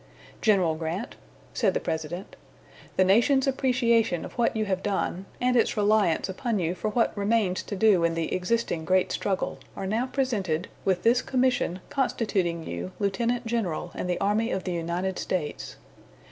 "General Grant," said the President, "the nation's appreciation of what you have done, and its reliance upon you for what remains to do in the existing great struggle, are now presented, with this commission constituting you Lieutenant General in the Army of the United States.